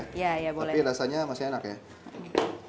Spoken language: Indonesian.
tapi rasanya masih enak ya